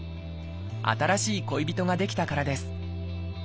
新しい恋人が出来たからです